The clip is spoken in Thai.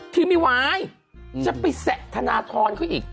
ที่ไม่ไหวจะไปแสะธนทรเขาอีก